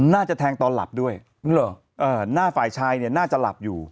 น่าจะแทงตอนหลับด้วย